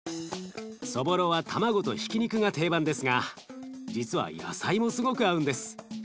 そぼろは卵とひき肉が定番ですが実は野菜もすごく合うんです。